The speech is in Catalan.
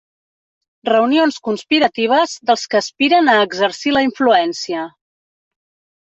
Reunions conspiratives dels que aspiren a exercir la influència.